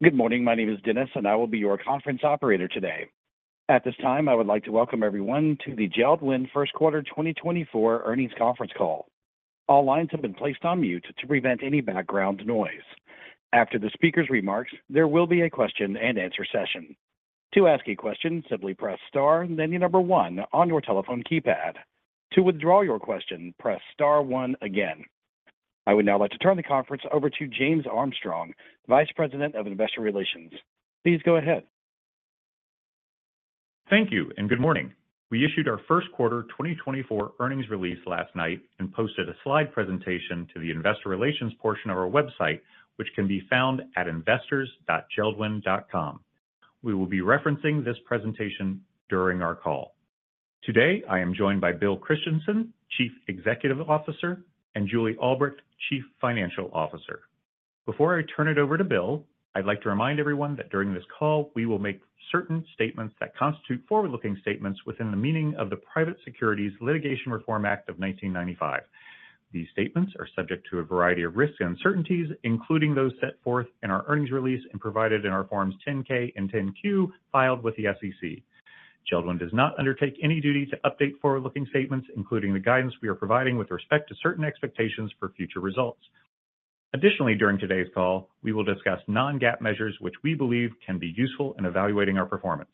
Good morning, my name is Dennis, and I will be your conference operator today. At this time, I would like to welcome everyone to the JELD-WEN First Quarter 2024 Earnings Conference Call. All lines have been placed on mute to prevent any background noise. After the speaker's remarks, there will be a question-and-answer session. To ask a question, simply press star, then the number one on your telephone keypad. To withdraw your question, press star one again. I would now like to turn the conference over to James Armstrong, Vice President of Investor Relations. Please go ahead. Thank you, and good morning. We issued our first quarter 2024 earnings release last night and posted a slide presentation to the investor relations portion of our website, which can be found at investors.jeld-wen.com. We will be referencing this presentation during our call. Today, I am joined by Bill Christianson, Chief Executive Officer, and Julie Albrecht, Chief Financial Officer. Before I turn it over to Bill, I'd like to remind everyone that during this call, we will make certain statements that constitute forward-looking statements within the meaning of the Private Securities Litigation Reform Act of 1995. These statements are subject to a variety of risks and uncertainties, including those set forth in our earnings release and provided in our Forms 10-K and 10-Q, filed with the SEC. JELD-WEN does not undertake any duty to update forward-looking statements, including the guidance we are providing with respect to certain expectations for future results. Additionally, during today's call, we will discuss non-GAAP measures, which we believe can be useful in evaluating our performance.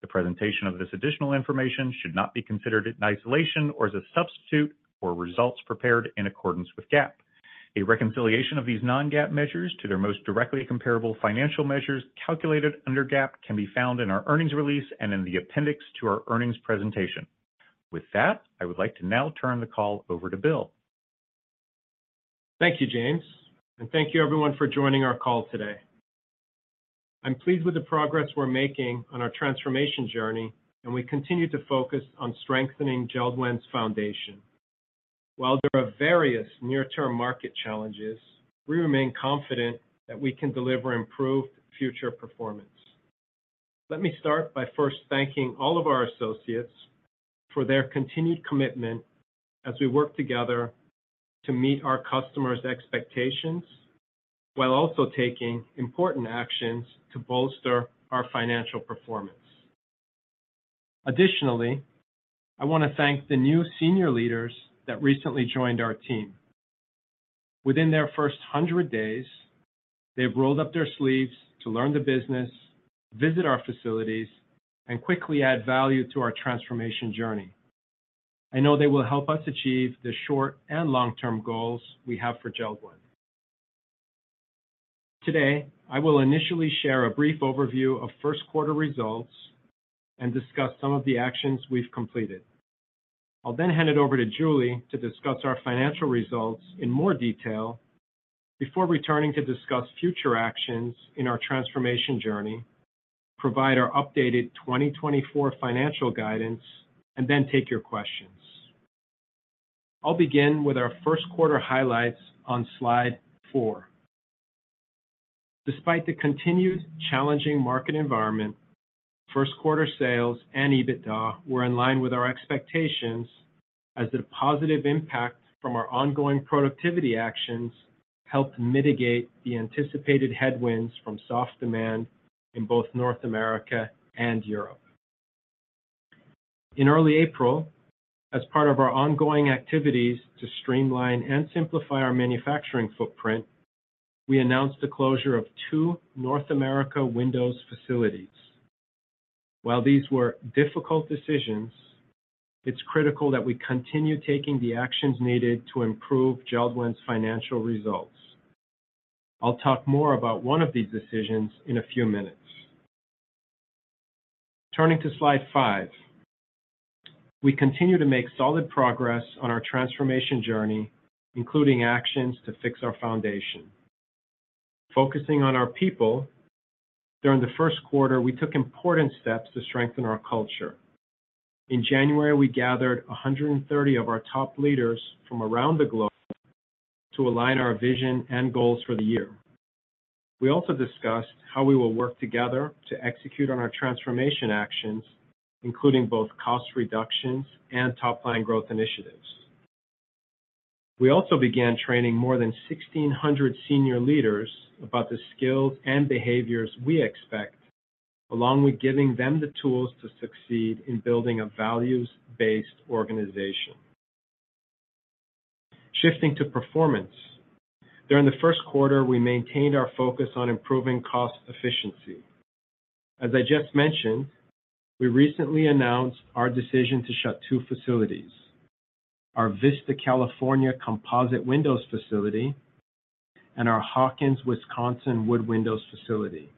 The presentation of this additional information should not be considered in isolation or as a substitute for results prepared in accordance with GAAP. A reconciliation of these non-GAAP measures to their most directly comparable financial measures, calculated under GAAP, can be found in our earnings release and in the appendix to our earnings presentation. With that, I would like to now turn the call over to Bill. Thank you, James, and thank you everyone for joining our call today. I'm pleased with the progress we're making on our transformation journey, and we continue to focus on strengthening JELD-WEN's foundation. While there are various near-term market challenges, we remain confident that we can deliver improved future performance. Let me start by first thanking all of our associates for their continued commitment as we work together to meet our customers' expectations, while also taking important actions to bolster our financial performance. Additionally, I want to thank the new senior leaders that recently joined our team. Within their first 100 days, they've rolled up their sleeves to learn the business, visit our facilities, and quickly add value to our transformation journey. I know they will help us achieve the short and long-term goals we have for JELD-WEN. Today, I will initially share a brief overview of first quarter results and discuss some of the actions we've completed. I'll then hand it over to Julie to discuss our financial results in more detail before returning to discuss future actions in our transformation journey, provide our updated 2024 financial guidance, and then take your questions. I'll begin with our first quarter highlights on slide four. Despite the continued challenging market environment, first quarter sales and EBITDA were in line with our expectations as the positive impact from our ongoing productivity actions helped mitigate the anticipated headwinds from soft demand in both North America and Europe. In early April, as part of our ongoing activities to streamline and simplify our manufacturing footprint, we announced the closure of two North America windows facilities. While these were difficult decisions, it's critical that we continue taking the actions needed to improve JELD-WEN's financial results. I'll talk more about one of these decisions in a few minutes. Turning to slide five. We continue to make solid progress on our transformation journey, including actions to fix our foundation. Focusing on our people, during the first quarter, we took important steps to strengthen our culture. In January, we gathered 130 of our top leaders from around the globe to align our vision and goals for the year. We also discussed how we will work together to execute on our transformation actions, including both cost reductions and top line growth initiatives. We also began training more than 1,600 senior leaders about the skills and behaviors we expect, along with giving them the tools to succeed in building a values-based organization. Shifting to performance. During the first quarter, we maintained our focus on improving cost efficiency. As I just mentioned, we recently announced our decision to shut two facilities: our Vista, California, composite windows facility and our Hawkins, Wisconsin, wood windows facility.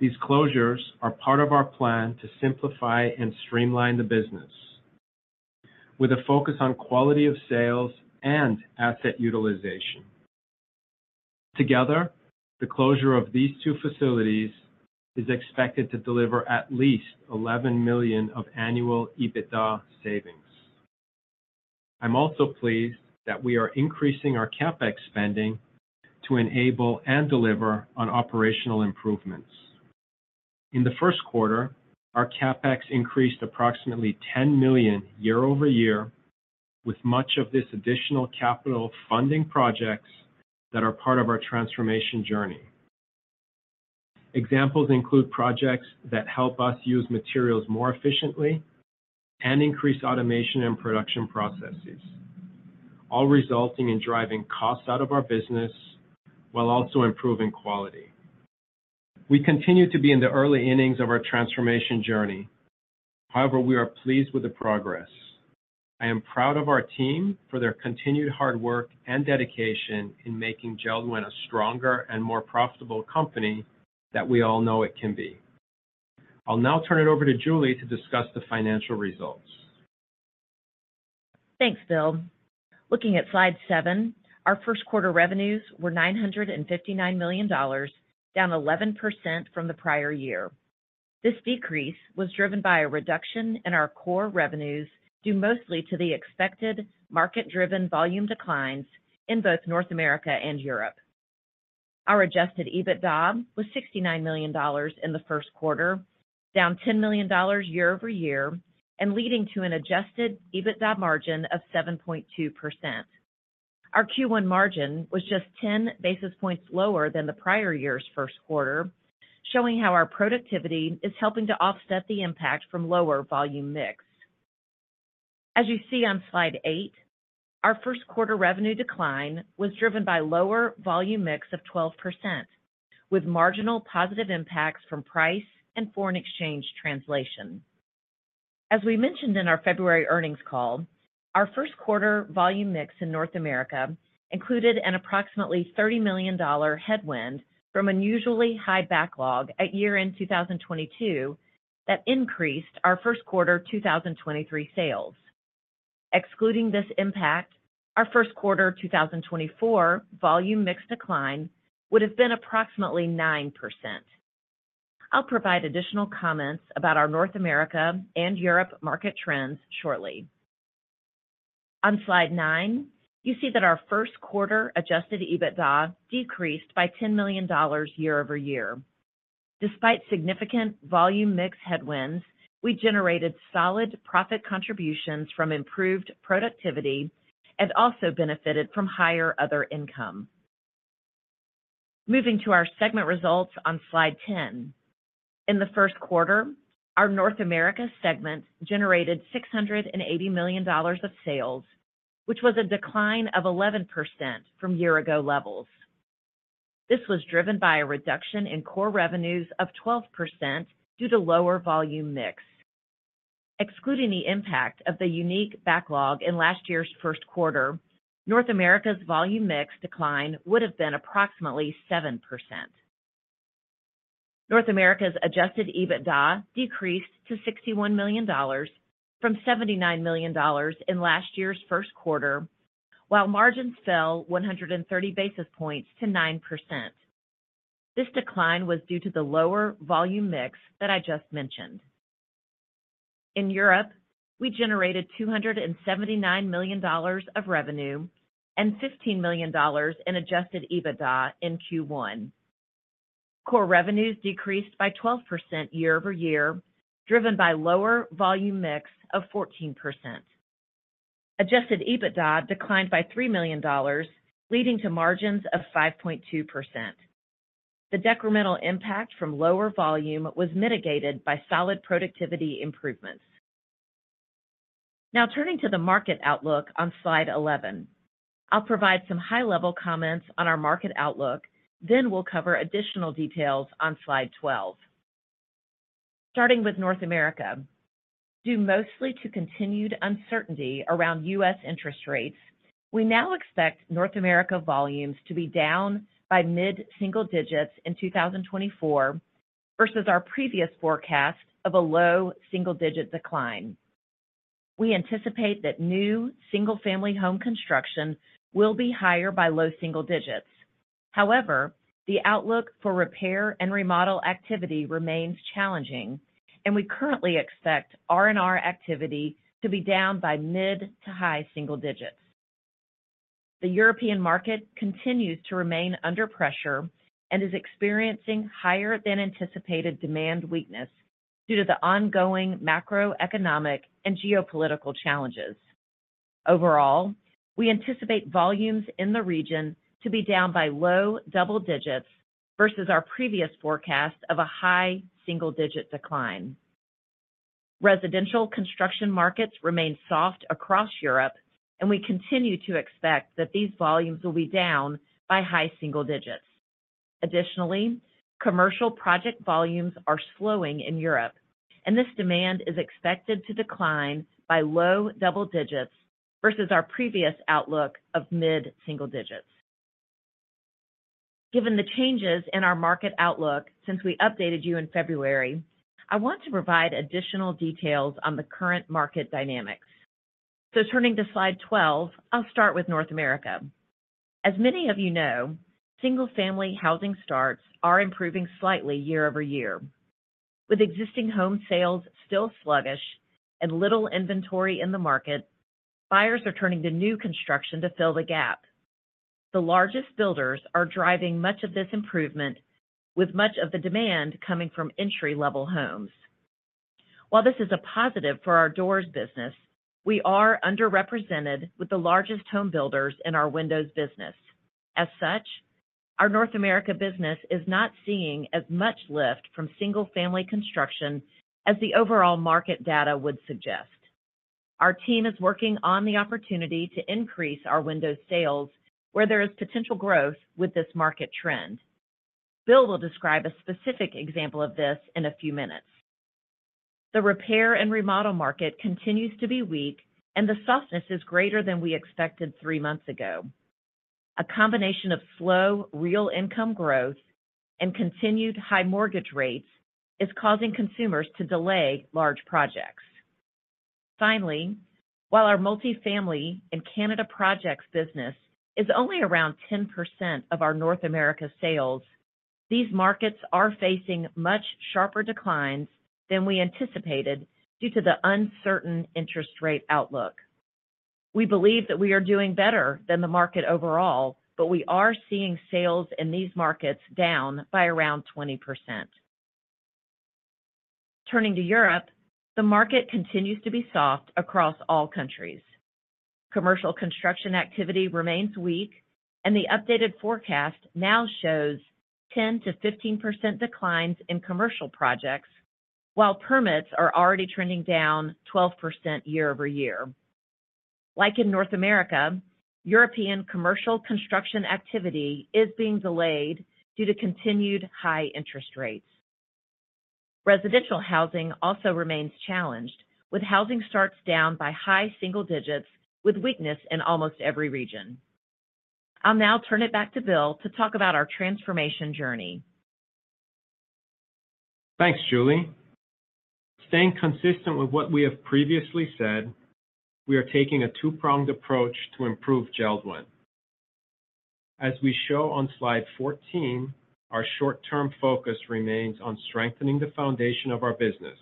These closures are part of our plan to simplify and streamline the business with a focus on quality of sales and asset utilization. Together, the closure of these two facilities is expected to deliver at least $11 million of annual EBITDA savings. I'm also pleased that we are increasing our CapEx spending to enable and deliver on operational improvements. In the first quarter, our CapEx increased approximately $10 million year-over-year, with much of this additional capital funding projects that are part of our transformation journey. Examples include projects that help us use materials more efficiently and increase automation and production processes, all resulting in driving costs out of our business while also improving quality. We continue to be in the early innings of our transformation journey. However, we are pleased with the progress. I am proud of our team for their continued hard work and dedication in making JELD-WEN a stronger and more profitable company that we all know it can be. I'll now turn it over to Julie to discuss the financial results. Thanks, Bill. Looking at slide seven, our first quarter revenues were $959 million, down 11% from the prior year. This decrease was driven by a reduction in our core revenues, due mostly to the expected market-driven volume declines in both North America and Europe. Our Adjusted EBITDA was $69 million in the first quarter, down $10 million year over year, and leading to an Adjusted EBITDA margin of 7.2%. Our Q1 margin was just 10 basis points lower than the prior year's first quarter, showing how our productivity is helping to offset the impact from lower volume mix. As you see on slide eight, our first quarter revenue decline was driven by lower volume mix of 12%, with marginal positive impacts from price and foreign exchange translation. As we mentioned in our February earnings call, our first quarter volume mix in North America included an approximately $30 million headwind from unusually high backlog at year-end 2022, that increased our first quarter 2023 sales. Excluding this impact, our first quarter 2024 volume mix decline would have been approximately 9%. I'll provide additional comments about our North America and Europe market trends shortly. On slide nine, you see that our first quarter Adjusted EBITDA decreased by $10 million year-over-year. Despite significant volume mix headwinds, we generated solid profit contributions from improved productivity and also benefited from higher other income. Moving to our segment results on slide 10. In the first quarter, our North America segment generated $680 million of sales, which was a decline of 11% from year-ago levels. This was driven by a reduction in core revenues of 12% due to lower volume mix. Excluding the impact of the unique backlog in last year's first quarter, North America's volume mix decline would have been approximately 7%. North America's Adjusted EBITDA decreased to $61 million from $79 million in last year's first quarter, while margins fell 130 basis points to 9%. This decline was due to the lower volume mix that I just mentioned. In Europe, we generated $279 million of revenue and $15 million in Adjusted EBITDA in Q1. Core revenues decreased by 12% year-over-year, driven by lower volume mix of 14%. Adjusted EBITDA declined by $3 million, leading to margins of 5.2%. The decremental impact from lower volume was mitigated by solid productivity improvements. Now, turning to the market outlook on slide 11, I'll provide some high-level comments on our market outlook, then we'll cover additional details on slide 12. Starting with North America, due mostly to continued uncertainty around U.S. interest rates, we now expect North America volumes to be down by mid-single digits in 2024 versus our previous forecast of a low single-digit decline. We anticipate that new single-family home construction will be higher by low single digits. However, the outlook for repair and remodel activity remains challenging, and we currently expect R&R activity to be down by mid to high single digits. The European market continues to remain under pressure and is experiencing higher than anticipated demand weakness due to the ongoing macroeconomic and geopolitical challenges. Overall, we anticipate volumes in the region to be down by low double digits versus our previous forecast of a high single-digit decline. Residential construction markets remain soft across Europe, and we continue to expect that these volumes will be down by high single digits. Additionally, commercial project volumes are slowing in Europe, and this demand is expected to decline by low double digits versus our previous outlook of mid-single digits. Given the changes in our market outlook since we updated you in February, I want to provide additional details on the current market dynamics. So turning to slide 12, I'll start with North America. As many of you know, single-family housing starts are improving slightly year-over-year. With existing home sales still sluggish and little inventory in the market, buyers are turning to new construction to fill the gap.... The largest builders are driving much of this improvement, with much of the demand coming from entry-level homes. While this is a positive for our doors business, we are underrepresented with the largest home builders in our windows business. As such, our North America business is not seeing as much lift from single-family construction as the overall market data would suggest. Our team is working on the opportunity to increase our windows sales, where there is potential growth with this market trend. Bill will describe a specific example of this in a few minutes. The repair and remodel market continues to be weak, and the softness is greater than we expected three months ago. A combination of slow, real income growth and continued high mortgage rates is causing consumers to delay large projects. Finally, while our multifamily and Canada projects business is only around 10% of our North America sales, these markets are facing much sharper declines than we anticipated due to the uncertain interest rate outlook. We believe that we are doing better than the market overall, but we are seeing sales in these markets down by around 20%. Turning to Europe, the market continues to be soft across all countries. Commercial construction activity remains weak, and the updated forecast now shows 10%-15% declines in commercial projects, while permits are already trending down 12% year-over-year. Like in North America, European commercial construction activity is being delayed due to continued high interest rates. Residential housing also remains challenged, with housing starts down by high single digits, with weakness in almost every region. I'll now turn it back to Bill to talk about our transformation journey. Thanks, Julie. Staying consistent with what we have previously said, we are taking a two-pronged approach to improve JELD-WEN. As we show on slide 14, our short-term focus remains on strengthening the foundation of our business.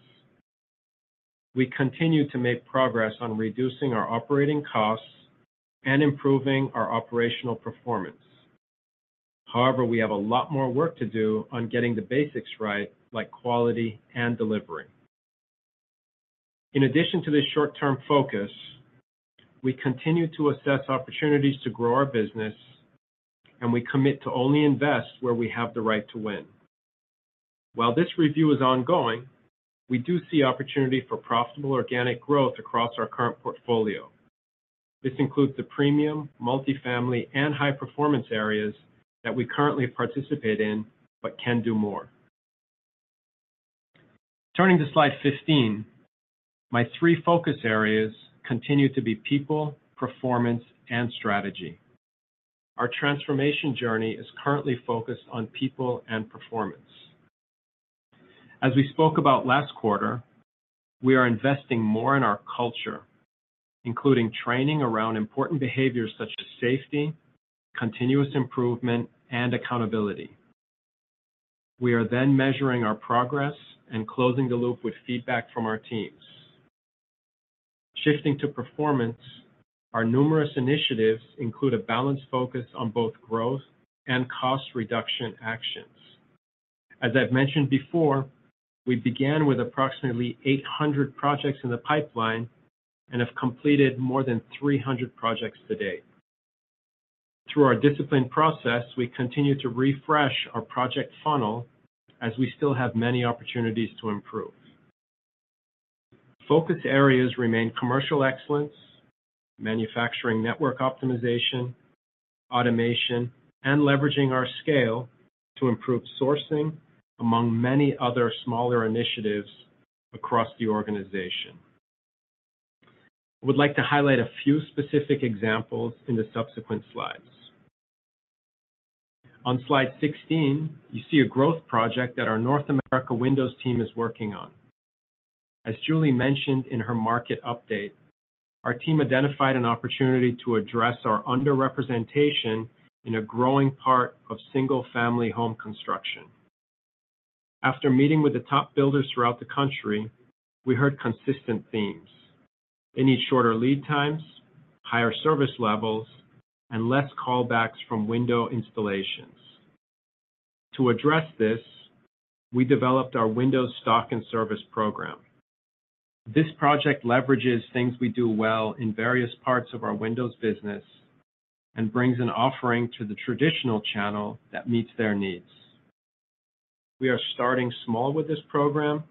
We continue to make progress on reducing our operating costs and improving our operational performance. However, we have a lot more work to do on getting the basics right, like quality and delivery. In addition to this short-term focus, we continue to assess opportunities to grow our business, and we commit to only invest where we have the right to win. While this review is ongoing, we do see opportunity for profitable organic growth across our current portfolio. This includes the premium, multifamily, and high-performance areas that we currently participate in, but can do more. Turning to slide 15, my three focus areas continue to be people, performance, and strategy. Our transformation journey is currently focused on people and performance. As we spoke about last quarter, we are investing more in our culture, including training around important behaviors such as safety, continuous improvement, and accountability. We are then measuring our progress and closing the loop with feedback from our teams. Shifting to performance, our numerous initiatives include a balanced focus on both growth and cost reduction actions. As I've mentioned before, we began with approximately 800 projects in the pipeline and have completed more than 300 projects to date. Through our disciplined process, we continue to refresh our project funnel as we still have many opportunities to improve. Focus areas remain commercial excellence, manufacturing network optimization, automation, and leveraging our scale to improve sourcing, among many other smaller initiatives across the organization. I would like to highlight a few specific examples in the subsequent slides. On slide 16, you see a growth project that our North America Windows team is working on. As Julie mentioned in her market update, our team identified an opportunity to address our underrepresentation in a growing part of single-family home construction. After meeting with the top builders throughout the country, we heard consistent themes. They need shorter lead times, higher service levels, and less callbacks from window installations. To address this, we developed our Windows Stock and Service program. This project leverages things we do well in various parts of our windows business and brings an offering to the traditional channel that meets their needs. We are starting small with this program,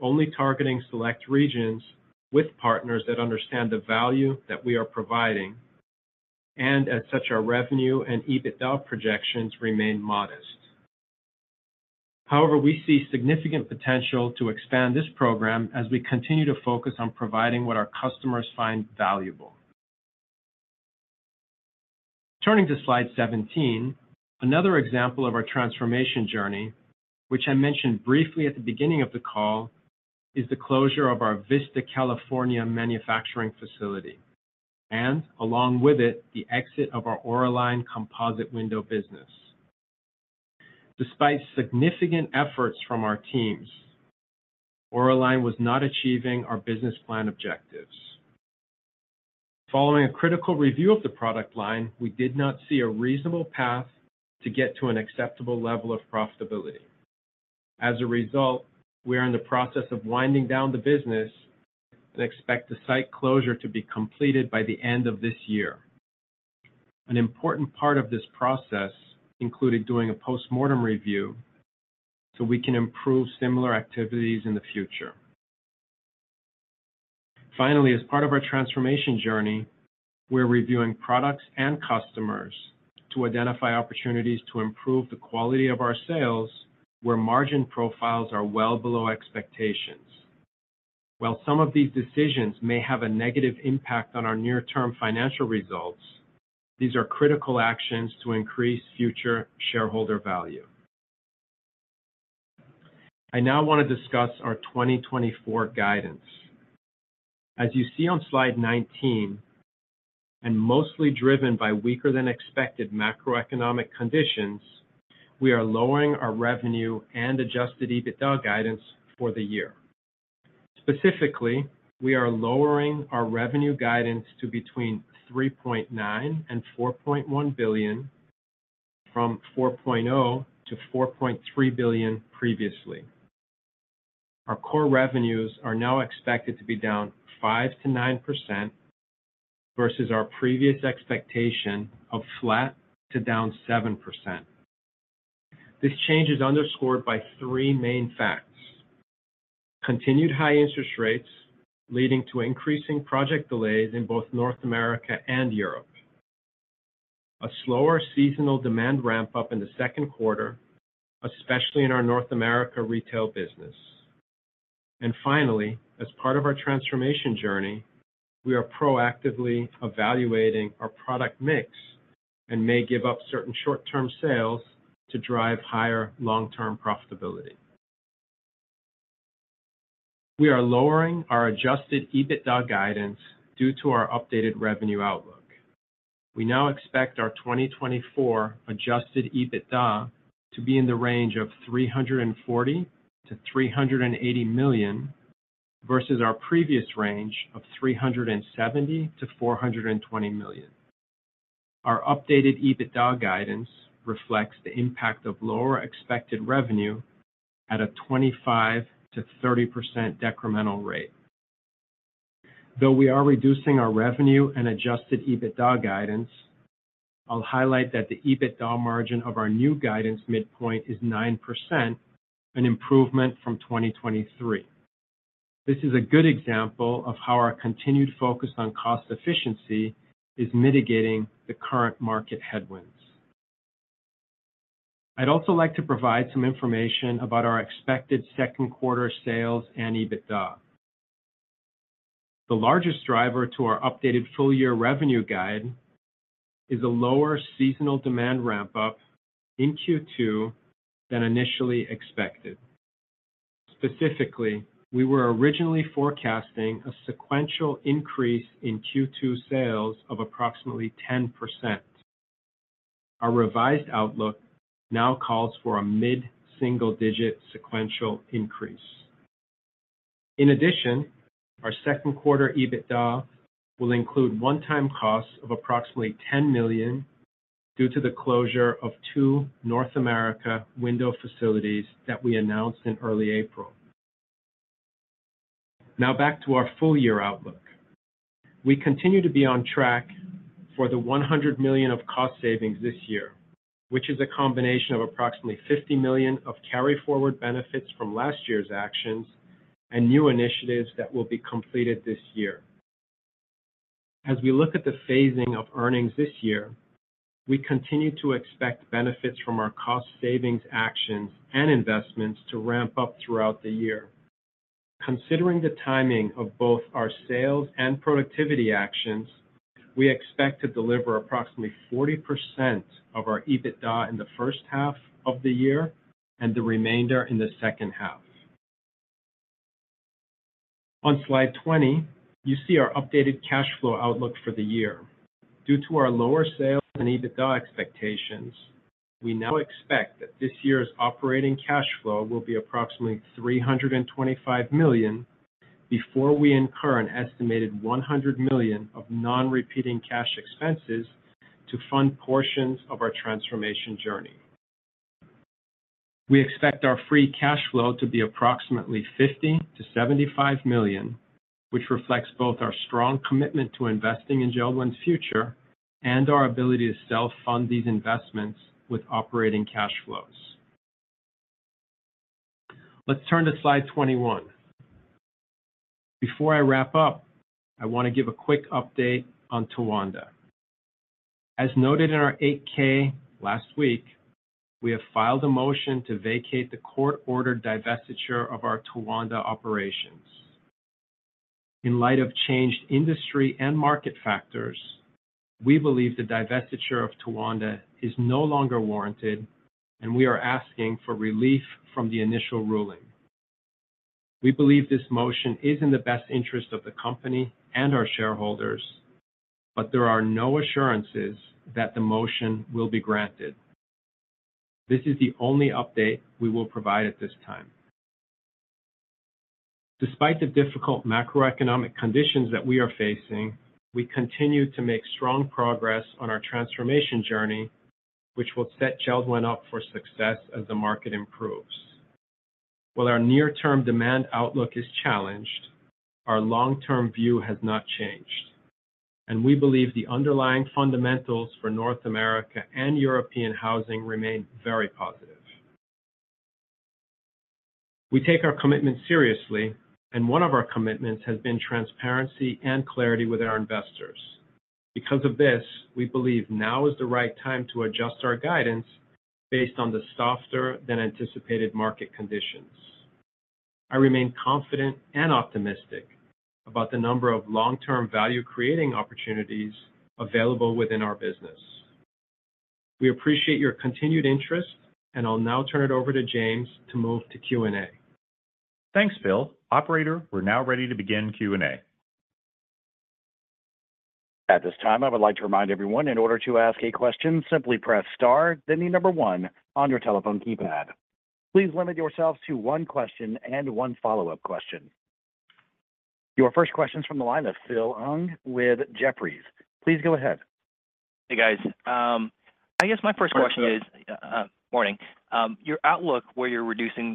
only targeting select regions with partners that understand the value that we are providing, and as such, our revenue and EBITDA projections remain modest. However, we see significant potential to expand this program as we continue to focus on providing what our customers find valuable. Turning to slide 17, another example of our transformation journey, which I mentioned briefly at the beginning of the call, is the closure of our Vista, California, manufacturing facility, and along with it, the exit of our Auraline composite window business. Despite significant efforts from our teams, Auraline was not achieving our business plan objectives. Following a critical review of the product line, we did not see a reasonable path to get to an acceptable level of profitability. As a result, we are in the process of winding down the business and expect the site closure to be completed by the end of this year. An important part of this process included doing a postmortem review, so we can improve similar activities in the future. Finally, as part of our transformation journey, we're reviewing products and customers to identify opportunities to improve the quality of our sales, where margin profiles are well below expectations. While some of these decisions may have a negative impact on our near-term financial results, these are critical actions to increase future shareholder value. I now want to discuss our 2024 guidance. As you see on slide 19, and mostly driven by weaker than expected macroeconomic conditions, we are lowering our revenue and Adjusted EBITDA guidance for the year. Specifically, we are lowering our revenue guidance to between $3.9 billion-$4.1 billion, from $4.0 billion-$4.3 billion previously. Our core revenues are now expected to be down 5%-9% versus our previous expectation of flat to down 7%. This change is underscored by three main facts: Continued high interest rates, leading to increasing project delays in both North America and Europe. A slower seasonal demand ramp-up in the second quarter, especially in our North America retail business. And finally, as part of our transformation journey, we are proactively evaluating our product mix and may give up certain short-term sales to drive higher long-term profitability. We are lowering our Adjusted EBITDA guidance due to our updated revenue outlook. We now expect our 2024 Adjusted EBITDA to be in the range of $340 million-$380 million, versus our previous range of $370 million-$420 million. Our updated EBITDA guidance reflects the impact of lower expected revenue at a 25%-30% decremental rate. Though we are reducing our revenue and Adjusted EBITDA guidance, I'll highlight that the EBITDA margin of our new guidance midpoint is 9%, an improvement from 2023. This is a good example of how our continued focus on cost efficiency is mitigating the current market headwinds. I'd also like to provide some information about our expected second quarter sales and EBITDA. The largest driver to our updated full year revenue guide is a lower seasonal demand ramp-up in Q2 than initially expected. Specifically, we were originally forecasting a sequential increase in Q2 sales of approximately 10%. Our revised outlook now calls for a mid-single digit sequential increase. In addition, our second quarter EBITDA will include one-time costs of approximately $10 million due to the closure of two North America window facilities that we announced in early April. Now, back to our full year outlook. We continue to be on track for $100 million of cost savings this year, which is a combination of approximately $50 million of carry forward benefits from last year's actions and new initiatives that will be completed this year. As we look at the phasing of earnings this year, we continue to expect benefits from our cost savings actions and investments to ramp up throughout the year. Considering the timing of both our sales and productivity actions, we expect to deliver approximately 40% of our EBITDA in the first half of the year and the remainder in the second half. On slide 20, you see our updated cash flow outlook for the year. Due to our lower sales and EBITDA expectations, we now expect that this year's operating cash flow will be approximately $325 million, before we incur an estimated $100 million of non-repeating cash expenses to fund portions of our transformation journey. We expect our free cash flow to be approximately $50 million-$75 million, which reflects both our strong commitment to investing in JELD-WEN's future and our ability to self-fund these investments with operating cash flows. Let's turn to slide 21. Before I wrap up, I want to give a quick update on Towanda. As noted in our 8-K last week, we have filed a motion to vacate the court-ordered divestiture of our Towanda operations. In light of changed industry and market factors, we believe the divestiture of Towanda is no longer warranted, and we are asking for relief from the initial ruling. We believe this motion is in the best interest of the company and our shareholders, but there are no assurances that the motion will be granted. This is the only update we will provide at this time. Despite the difficult macroeconomic conditions that we are facing, we continue to make strong progress on our transformation journey, which will set JELD-WEN up for success as the market improves. While our near-term demand outlook is challenged, our long-term view has not changed, and we believe the underlying fundamentals for North America and European housing remain very positive. We take our commitment seriously, and one of our commitments has been transparency and clarity with our investors. Because of this, we believe now is the right time to adjust our guidance based on the softer than anticipated market conditions. I remain confident and optimistic about the number of long-term value creating opportunities available within our business. We appreciate your continued interest, and I'll now turn it over to James to move to Q&A. Thanks, Bill. Operator, we're now ready to begin Q&A. At this time, I would like to remind everyone, in order to ask a question, simply press star, then the number one on your telephone keypad. Please limit yourselves to one question and one follow-up question. Your first question is from the line of Philip Ng with Jefferies. Please go ahead. Hey, guys. I guess my first question is- Good morning. Morning. Your outlook, where you're reducing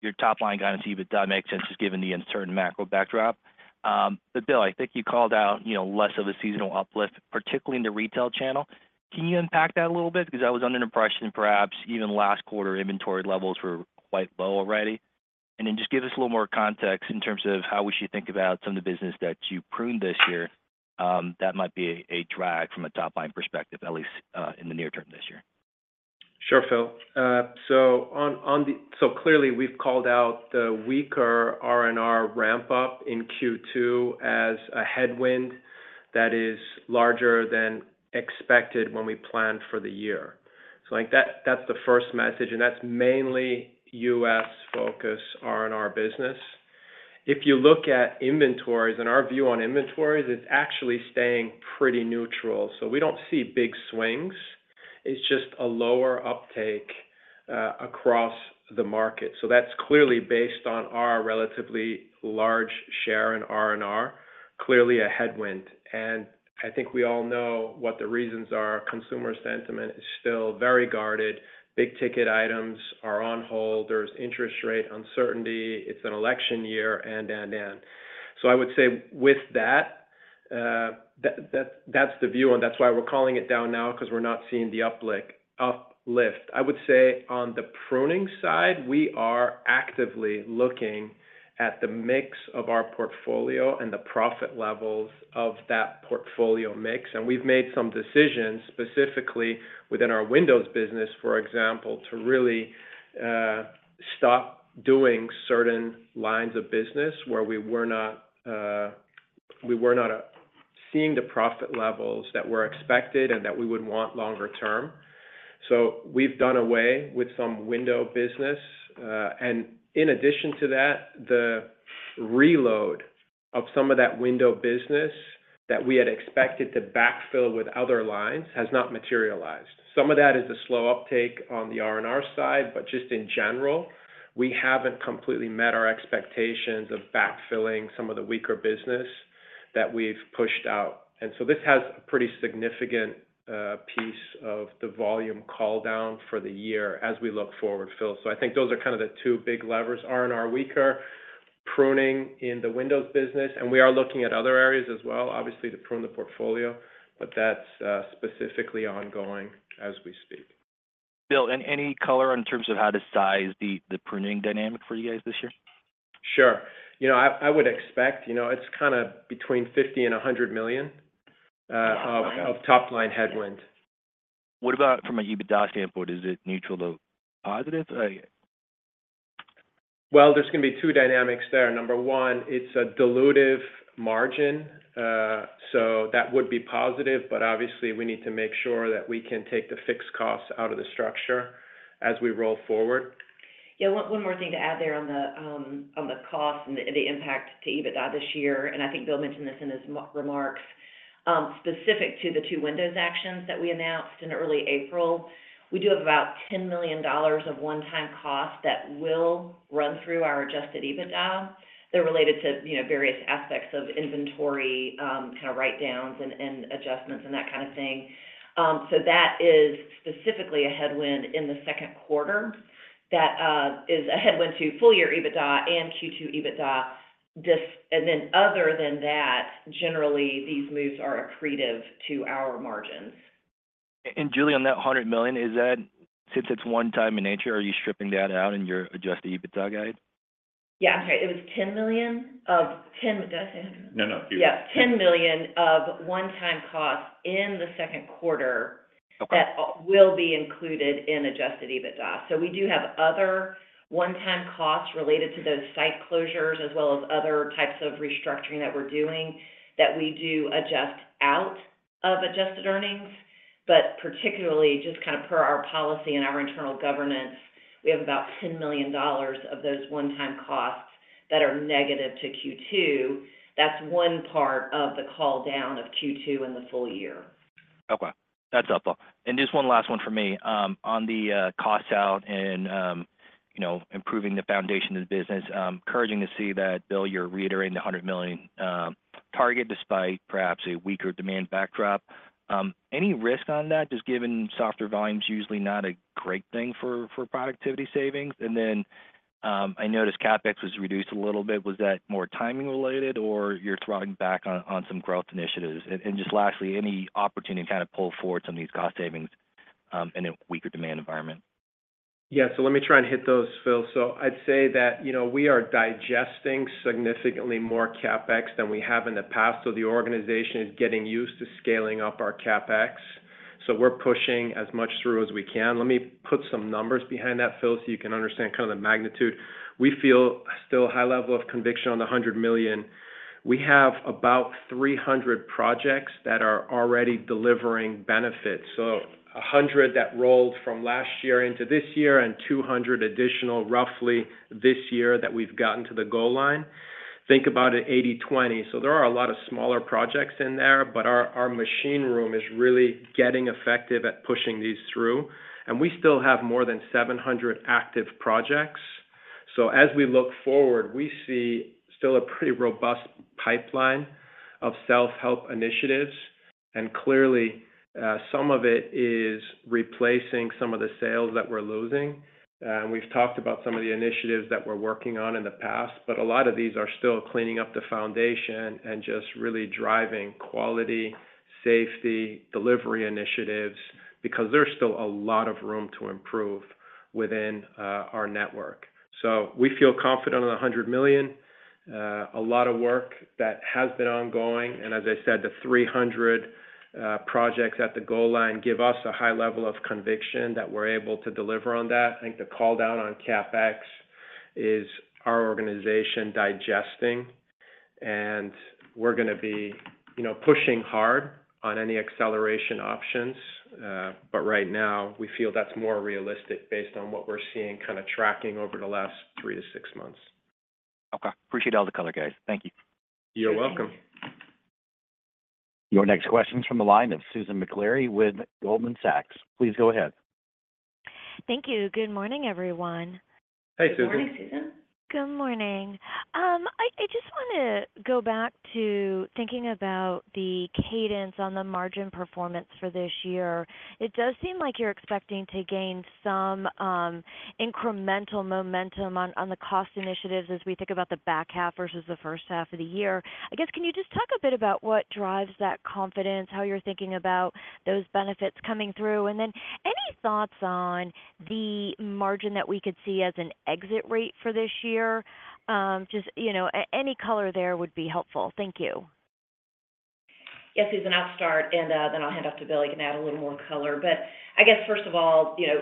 your top-line guidance, even though it makes sense, just given the uncertain macro backdrop. But Bill, I think you called out, you know, less of a seasonal uplift, particularly in the retail channel. Can you unpack that a little bit? Because I was under the impression perhaps even last quarter, inventory levels were quite low already. And then just give us a little more context in terms of how we should think about some of the business that you pruned this year, that might be a drag from a top-line perspective, at least, in the near term this year. Sure, Phil. So clearly, we've called out the weaker R&R ramp-up in Q2 as a headwind that is larger than expected when we planned for the year. So I think that's the first message, and that's mainly U.S.-focused R&R business. If you look at inventories, and our view on inventories, it's actually staying pretty neutral, so we don't see big swings. It's just a lower uptake across the market. So that's clearly based on our relatively large share in R&R, clearly a headwind. And I think we all know what the reasons are. Consumer sentiment is still very guarded, big-ticket items are on hold, there's interest rate uncertainty, it's an election year, and, and, and. So I would say with that, that's the view, and that's why we're calling it down now, 'cause we're not seeing the uplift. I would say on the pruning side, we are actively looking at the mix of our portfolio and the profit levels of that portfolio mix, and we've made some decisions, specifically within our windows business, for example, to really stop doing certain lines of business where we were not seeing the profit levels that were expected and that we would want longer term. So we've done away with some window business, and in addition to that, the reload of some of that window business that we had expected to backfill with other lines has not materialized. Some of that is the slow uptake on the R&R side, but just in general, we haven't completely met our expectations of backfilling some of the weaker business that we've pushed out. And so this has a pretty significant piece of the volume call down for the year as we look forward, Phil. So I think those are kind of the two big levers: R&R weaker, pruning in the windows business, and we are looking at other areas as well, obviously, to prune the portfolio, but that's specifically ongoing as we speak. Bill, and any color in terms of how to size the pruning dynamic for you guys this year? Sure. You know, I would expect, you know, it's kinda between $50 million and $100 million. Top line... of top-line headwind. What about from an EBITDA standpoint? Is it neutral or positive? Well, there's gonna be two dynamics there. Number one, it's a dilutive margin, so that would be positive, but obviously, we need to make sure that we can take the fixed costs out of the structure as we roll forward. Yeah, one more thing to add there on the cost and the impact to EBITDA this year, and I think Bill mentioned this in his remarks. Specific to the two windows actions that we announced in early April, we do have about $10 million of one-time cost that will run through our Adjusted EBITDA. They're related to, you know, various aspects of inventory, kind of writedowns and adjustments and that kind of thing. So that is specifically a headwind in the second quarter. That is a headwind to full year EBITDA and Q2 EBITDA. This and then other than that, generally, these moves are accretive to our margins. Julie, on that $100 million, is that since it's one-time in nature, are you stripping that out in your Adjusted EBITDA guide? Yeah, okay. It was $10 million of ten- did I say $100 million? No, no. You- Yeah, $10 million of one-time costs in the second quarter- Okay... that will be included in Adjusted EBITDA. So we do have other one-time costs related to those site closures, as well as other types of restructuring that we're doing, that we do adjust out of Adjusted earnings... but particularly just kind of per our policy and our internal governance, we have about $10 million of those one-time costs that are negative to Q2. That's one part of the call down of Q2 and the full year. Okay, that's helpful. And just one last one for me. On the cost out and, you know, improving the foundation of the business, encouraging to see that, Bill, you're reiterating the $100 million target, despite perhaps a weaker demand backdrop. Any risk on that, just given softer volume's usually not a great thing for productivity savings? And then, I noticed CapEx was reduced a little bit. Was that more timing related, or you're throttling back on some growth initiatives? And just lastly, any opportunity to kind of pull forward some of these cost savings in a weaker demand environment? Yeah. So let me try and hit those, Phil. So I'd say that, you know, we are digesting significantly more CapEx than we have in the past, so the organization is getting used to scaling up our CapEx. So we're pushing as much through as we can. Let me put some numbers behind that, Phil, so you can understand kind of the magnitude. We feel still a high level of conviction on the $100 million. We have about 300 projects that are already delivering benefits, so 100 that rolled from last year into this year, and 200 additional, roughly this year, that we've gotten to the goal line. Think about it, 80/20. So there are a lot of smaller projects in there, but our, our machine room is really getting effective at pushing these through, and we still have more than 700 active projects. So as we look forward, we see still a pretty robust pipeline of self-help initiatives, and clearly, some of it is replacing some of the sales that we're losing. And we've talked about some of the initiatives that we're working on in the past, but a lot of these are still cleaning up the foundation and just really driving quality, safety, delivery initiatives, because there's still a lot of room to improve within our network. So we feel confident on the $100 million. A lot of work that has been ongoing, and as I said, the 300 projects at the goal line give us a high level of conviction that we're able to deliver on that. I think the call down on CapEx is our organization digesting, and we're gonna be, you know, pushing hard on any acceleration options. But right now, we feel that's more realistic based on what we're seeing kind of tracking over the last 3-6 months. Okay. Appreciate all the color, guys. Thank you. You're welcome. Your next question is from the line of Susan Maklari with Goldman Sachs. Please go ahead. Thank you. Good morning, everyone. Hey, Susan. Good morning, Susan. Good morning. I just wanna go back to thinking about the cadence on the margin performance for this year. It does seem like you're expecting to gain some incremental momentum on the cost initiatives as we think about the back half versus the first half of the year. I guess, can you just talk a bit about what drives that confidence, how you're thinking about those benefits coming through? And then, any thoughts on the margin that we could see as an exit rate for this year? Just, you know, any color there would be helpful. Thank you. Yes, Susan, I'll start, and then I'll hand off to Bill. He can add a little more color. But I guess, first of all, you know,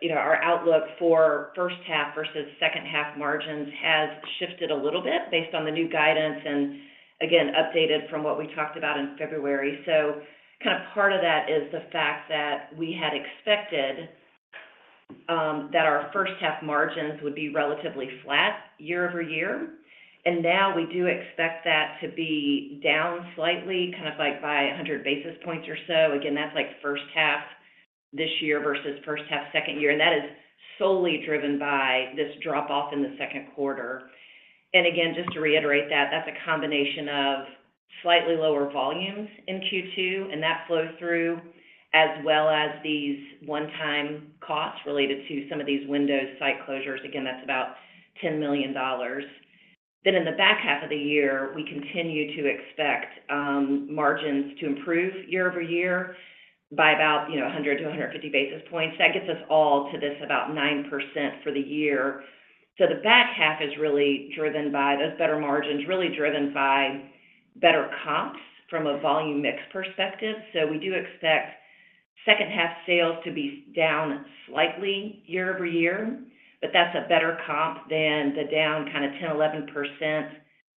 you know, our outlook for first half versus second half margins has shifted a little bit based on the new guidance, and again, updated from what we talked about in February. So kind of part of that is the fact that we had expected that our first half margins would be relatively flat year-over-year, and now we do expect that to be down slightly, kind of like by 100 basis points or so. Again, that's like first half this year versus first half, second year, and that is solely driven by this drop-off in the second quarter. Again, just to reiterate that, that's a combination of slightly lower volumes in Q2, and that flows through as well as these one-time costs related to some of these windows site closures. Again, that's about $10 million. Then in the back half of the year, we continue to expect margins to improve year-over-year by about, you know, 100-150 basis points. That gets us all to this about 9% for the year. So the back half is really driven by those better margins, really driven by better comps from a volume mix perspective. So we do expect second half sales to be down slightly year-over-year, but that's a better comp than the down, kind of 10-11%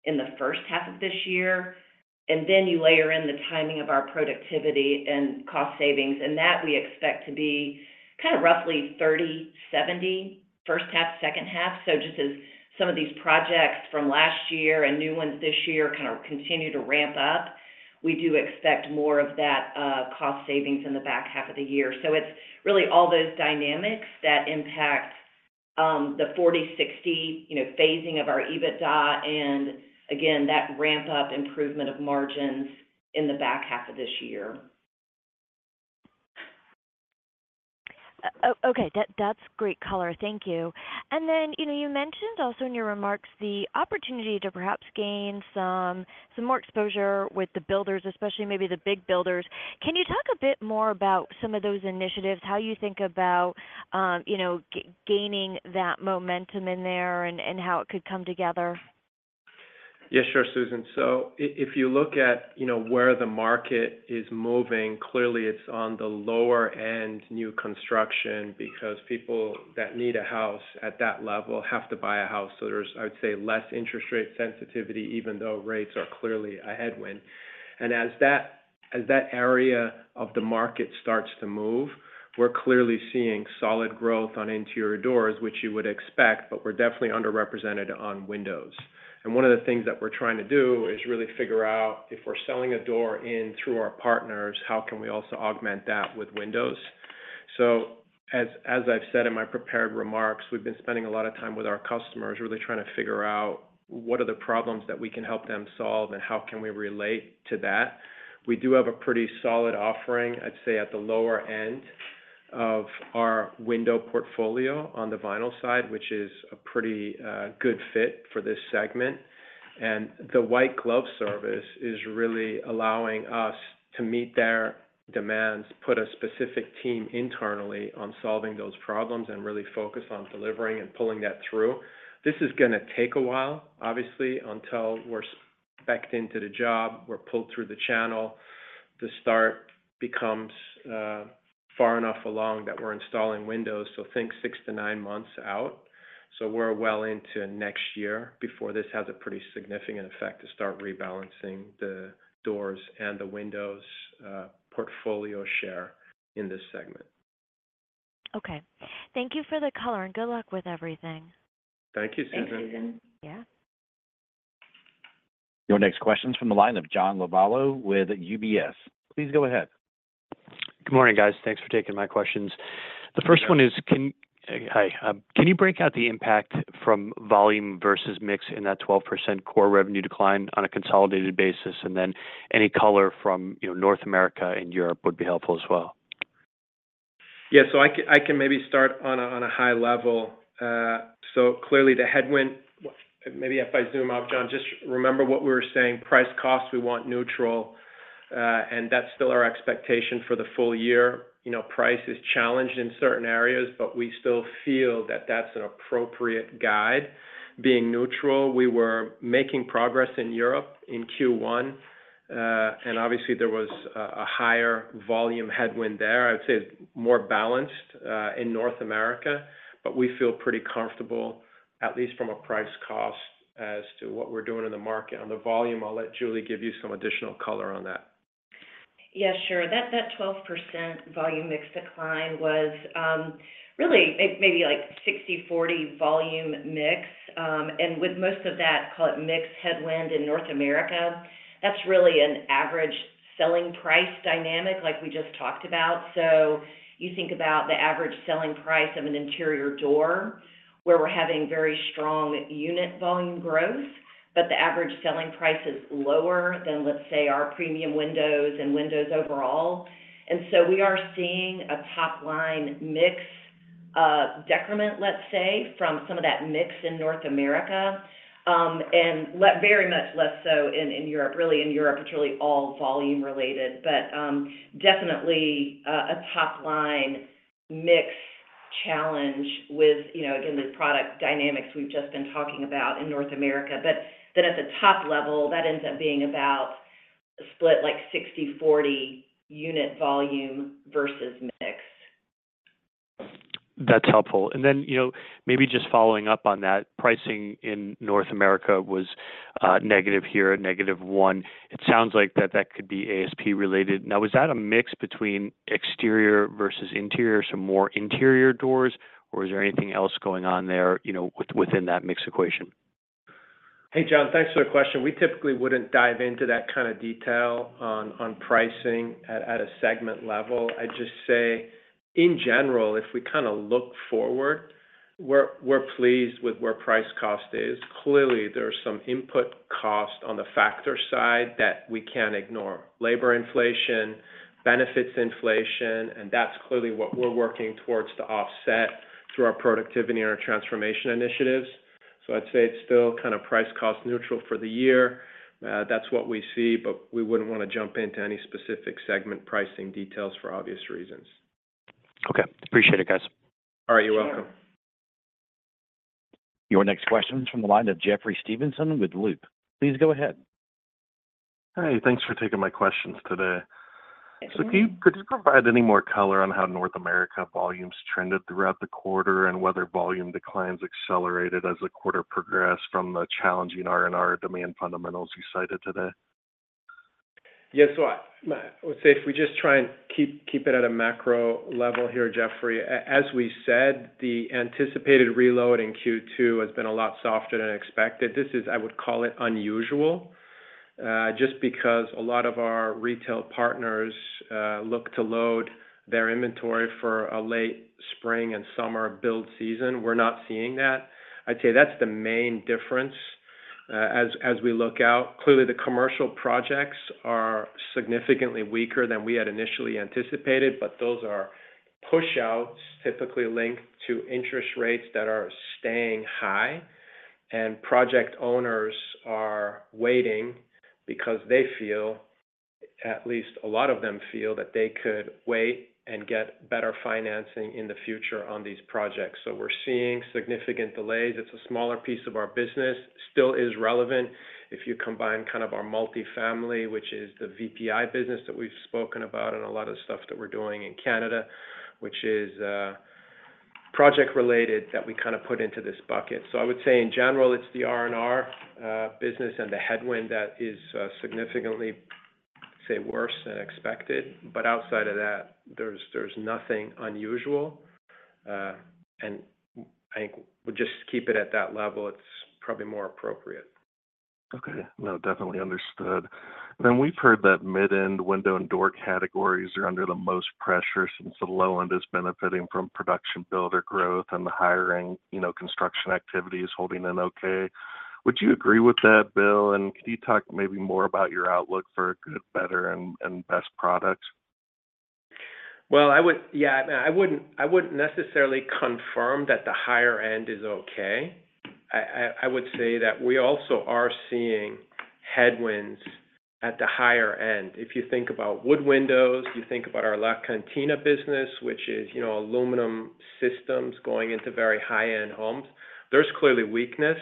in the first half of this year. Then you layer in the timing of our productivity and cost savings, and that we expect to be kind of roughly 30/70, first half, second half. Just as some of these projects from last year and new ones this year kind of continue to ramp up, we do expect more of that, cost savings in the back half of the year. It's really all those dynamics that impact the 40/60, you know, phasing of our EBITDA, and again, that ramp-up improvement of margins in the back half of this year. Okay, that's great color. Thank you. And then, you know, you mentioned also in your remarks the opportunity to perhaps gain some more exposure with the builders, especially maybe the big builders. Can you talk a bit more about some of those initiatives, how you think about, you know, gaining that momentum in there and how it could come together? Yeah, sure, Susan. So if you look at, you know, where the market is moving, clearly it's on the lower end new construction, because people that need a house at that level have to buy a house. So there's, I would say, less interest rate sensitivity, even though rates are clearly a headwind. And as that area of the market starts to move, we're clearly seeing solid growth on interior doors, which you would expect, but we're definitely underrepresented on windows. And one of the things that we're trying to do is really figure out, if we're selling a door in through our partners, how can we also augment that with windows? So, as I've said in my prepared remarks, we've been spending a lot of time with our customers, really trying to figure out what are the problems that we can help them solve, and how can we relate to that. We do have a pretty solid offering, I'd say, at the lower end of our window portfolio on the vinyl side, which is a pretty good fit for this segment. The white glove service is really allowing us to meet their demands, put a specific team internally on solving those problems, and really focus on delivering and pulling that through. This is gonna take a while, obviously, until we're specced into the job, we're pulled through the channel, the start becomes far enough along that we're installing windows, so think six to nine months out. So we're well into next year before this has a pretty significant effect to start rebalancing the doors and the windows portfolio share in this segment. Okay. Thank you for the color, and good luck with everything. Thank you, Susan. Thanks, Susan. Yeah. Your next question is from the line of John Lovallo with UBS. Please go ahead. Good morning, guys. Thanks for taking my questions. The first one is can- Good morning. Hi. Can you break out the impact from volume versus mix in that 12% core revenue decline on a consolidated basis, and then any color from, you know, North America and Europe would be helpful as well? Yeah, so I can maybe start on a high level. So clearly the headwind... Maybe if I zoom out, John, just remember what we were saying, price-cost, we want neutral, and that's still our expectation for the full year. You know, price is challenged in certain areas, but we still feel that that's an appropriate guide, being neutral. We were making progress in Europe in Q1, and obviously, there was a higher volume headwind there. I'd say it's more balanced in North America, but we feel pretty comfortable, at least from a price-cost, as to what we're doing in the market. On the volume, I'll let Julie give you some additional color on that. Yeah, sure. That, that 12% volume mix decline was really maybe, like, 60/40 volume mix, and with most of that, call it, mix headwind in North America. That's really an average selling price dynamic like we just talked about. So you think about the average selling price of an interior door, where we're having very strong unit volume growth, but the average selling price is lower than, let's say, our premium windows and windows overall. And so we are seeing a top-line mix decrement, let's say, from some of that mix in North America, and very much less so in Europe. Really, in Europe, it's really all volume related, but definitely a top-line mix challenge with, you know, again, the product dynamics we've just been talking about in North America. But then at the top level, that ends up being about split, like, 60/40 unit volume versus mix. That's helpful. And then, you know, maybe just following up on that, pricing in North America was negative here, -1%. It sounds like that, that could be ASP related. Now, is that a mix between exterior versus interior, some more interior doors, or is there anything else going on there, you know, within that mix equation? Hey, John, thanks for the question. We typically wouldn't dive into that kind of detail on pricing at a segment level. I'd just say, in general, if we kind of look forward, we're pleased with where price-cost is. Clearly, there's some input cost on the factor side that we can't ignore: labor inflation, benefits inflation, and that's clearly what we're working towards to offset through our productivity and our transformation initiatives. So I'd say it's still kind of price-cost neutral for the year. That's what we see, but we wouldn't want to jump into any specific segment pricing details for obvious reasons. Okay. Appreciate it, guys. All right. You're welcome. Sure. Your next question is from the line of Jeffrey Stevenson with Loop. Please go ahead. Hey, thanks for taking my questions today. Yes. So could you provide any more color on how North America volumes trended throughout the quarter and whether volume declines accelerated as the quarter progressed from the challenging R&R demand fundamentals you cited today? Yeah. So I would say if we just try and keep it at a macro level here, Jeffrey, as we said, the anticipated reload in Q2 has been a lot softer than expected. This is, I would call it, unusual, just because a lot of our retail partners look to load their inventory for a late spring and summer build season. We're not seeing that. I'd say that's the main difference, as we look out. Clearly, the commercial projects are significantly weaker than we had initially anticipated, but those are pushouts typically linked to interest rates that are staying high, and project owners are waiting because they feel, at least a lot of them feel, that they could wait and get better financing in the future on these projects. So we're seeing significant delays. It's a smaller piece of our business. Still is relevant if you combine kind of our multifamily, which is the VPI business that we've spoken about and a lot of the stuff that we're doing in Canada, which is project related that we kind of put into this bucket. So I would say in general, it's the R&R business and the headwind that is significantly, say, worse than expected. But outside of that, there's, there's nothing unusual. And I think we'll just keep it at that level. It's probably more appropriate. Okay. No, definitely understood. Then we've heard that mid-end window and door categories are under the most pressure since the low end is benefiting from production builder growth and the hiring, you know, construction activity is holding in okay. Would you agree with that, Bill? And could you talk maybe more about your outlook for good, better, and best products? Well, I would. Yeah, I wouldn't, I wouldn't necessarily confirm that the higher end is okay. I would say that we also are seeing headwinds at the higher end. If you think about wood windows, you think about our LaCantina business, which is, you know, aluminum systems going into very high-end homes, there's clearly weakness.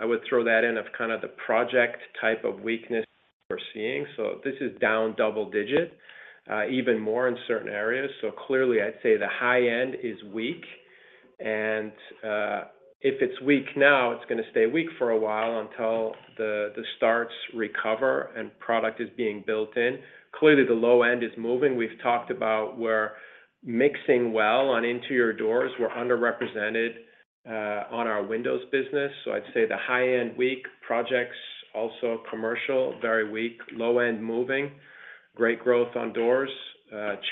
I would throw that in of kind of the project type of weakness we're seeing. So this is down double-digit, even more in certain areas. So clearly, I'd say the high end is weak, and if it's weak now, it's gonna stay weak for a while until the starts recover and product is being built in. Clearly, the low end is moving. We've talked about we're mixing well on interior doors. We're underrepresented on our windows business, so I'd say the high end, weak projects, also commercial, very weak. Low end, moving. Great growth on doors,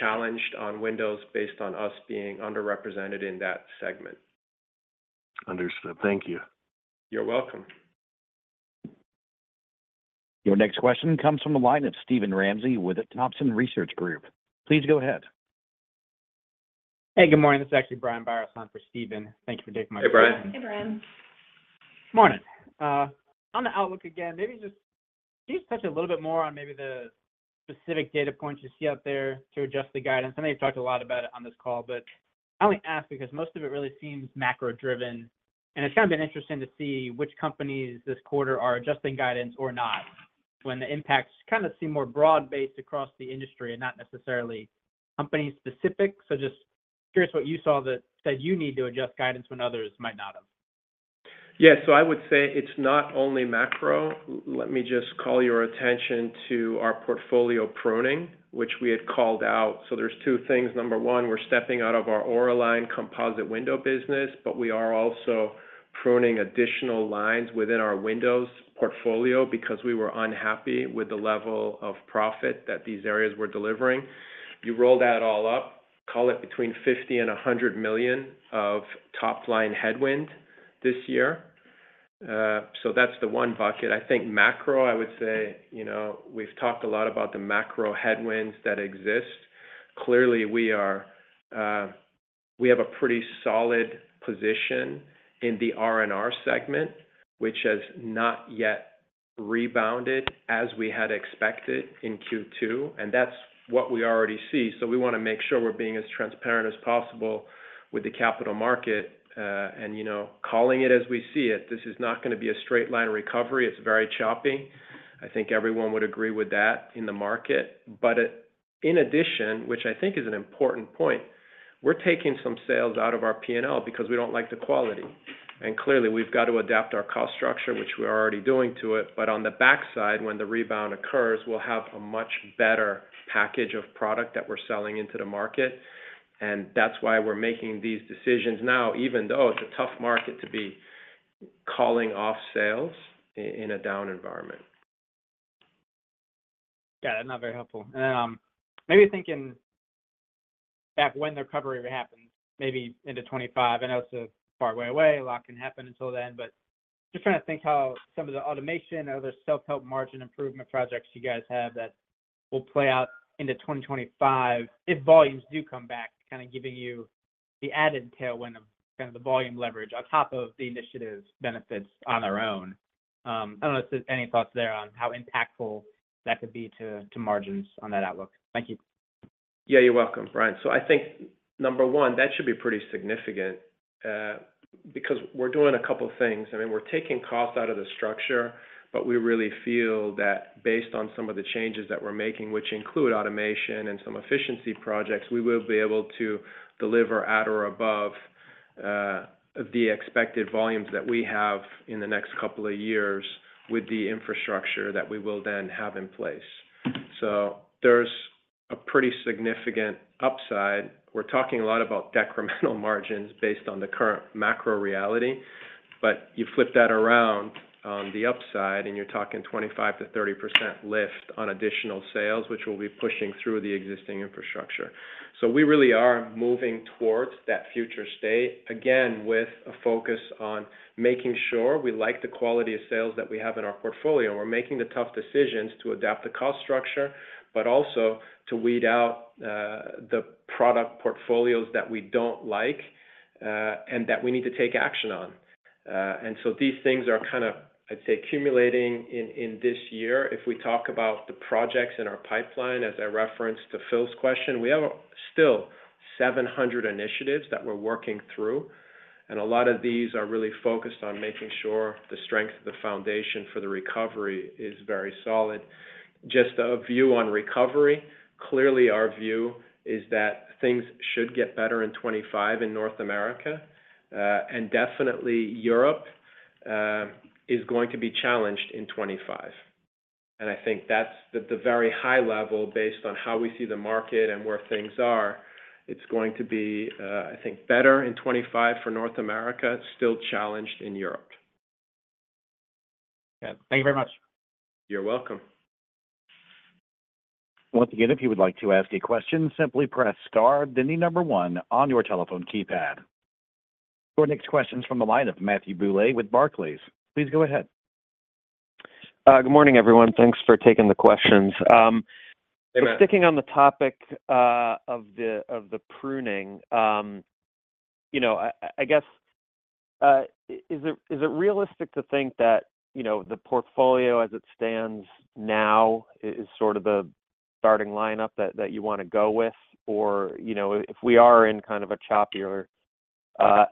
challenged on windows based on us being underrepresented in that segment. Understood. Thank you. You're welcome. Your next question comes from the line of Steven Ramsey with the Thompson Research Group. Please go ahead. Hey, good morning. This is actually Brian Biros on for Steven. Thank you for taking my- Hey, Brian. Hey, Brian. Morning. On the outlook, again, maybe just can you touch a little bit more on maybe the specific data points you see out there to adjust the guidance? I know you've talked a lot about it on this call, but I only ask because most of it really seems macro-driven, and it's kind of been interesting to see which companies this quarter are adjusting guidance or not, when the impacts kind of seem more broad-based across the industry and not necessarily company-specific. So just curious what you saw that said you need to adjust guidance when others might not have. Yeah. So I would say it's not only macro. Let me just call your attention to our portfolio pruning, which we had called out. So there's two things. Number one, we're stepping out of our Auraline composite window business, but we are also pruning additional lines within our windows portfolio because we were unhappy with the level of profit that these areas were delivering. You roll that all up, call it between $50 million and $100 million of top-line headwind this year. So that's the one bucket. I think macro, I would say, you know, we've talked a lot about the macro headwinds that exist. Clearly, we are—we have a pretty solid position in the R&R segment, which has not yet rebounded as we had expected in Q2, and that's what we already see. So we want to make sure we're being as transparent as possible with the capital market, and, you know, calling it as we see it. This is not going to be a straight line recovery. It's very choppy. I think everyone would agree with that in the market. But in addition, which I think is an important point, we're taking some sales out of our P&L because we don't like the quality. And clearly, we've got to adapt our cost structure, which we are already doing to it. But on the backside, when the rebound occurs, we'll have a much better package of product that we're selling into the market, and that's why we're making these decisions now, even though it's a tough market to be calling off sales in a down environment. Got it. Not very helpful. Maybe thinking back when the recovery happens, maybe into 2025, I know it's a far way away, a lot can happen until then, but just trying to think how some of the automation or the self-help margin improvement projects you guys have that will play out into 2025, if volumes do come back, kind of giving you the added tailwind of kind of the volume leverage on top of the initiatives benefits on their own. I don't know if there's any thoughts there on how impactful that could be to, to margins on that outlook. Thank you. Yeah, you're welcome, Brian. So I think, number one, that should be pretty significant, because we're doing a couple of things. I mean, we're taking cost out of the structure, but we really feel that based on some of the changes that we're making, which include automation and some efficiency projects, we will be able to deliver at or above the expected volumes that we have in the next couple of years with the infrastructure that we will then have in place. So there's a pretty significant upside. We're talking a lot about decremental margins based on the current macro reality, but you flip that around on the upside, and you're talking 25%-30% lift on additional sales, which will be pushing through the existing infrastructure. So we really are moving towards that future state, again, with a focus on making sure we like the quality of sales that we have in our portfolio. We're making the tough decisions to adapt the cost structure, but also to weed out the product portfolios that we don't like and that we need to take action on. And so these things are kind of, I'd say, accumulating in this year. If we talk about the projects in our pipeline, as I referenced to Phil's question, we have still 700 initiatives that we're working through... and a lot of these are really focused on making sure the strength of the foundation for the recovery is very solid. Just a view on recovery, clearly, our view is that things should get better in 2025 in North America. And definitely Europe is going to be challenged in 2025. And I think that's the very high level based on how we see the market and where things are. It's going to be, I think, better in 2025 for North America, still challenged in Europe. Yeah. Thank you very much. You're welcome. Once again, if you would like to ask a question, simply press star, then the number one on your telephone keypad. Your next question is from the line of Matthew Bouley with Barclays. Please go ahead. Good morning, everyone. Thanks for taking the questions. Hey, Matt. Sticking on the topic of the pruning, you know, I guess, is it realistic to think that, you know, the portfolio, as it stands now, is sort of the starting lineup that you wanna go with? Or, you know, if we are in kind of a choppier